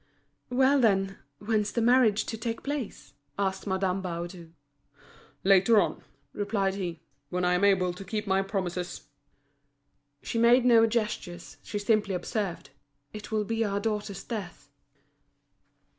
"Well, then, when's the marriage to take place?" asked Madame Baudu. "Later on," replied he, "when I am able to keep to my promises." She made no gestures, she simply observed: "It will be our daughter's death."